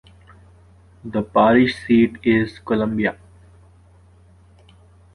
The parish seat is Columbia.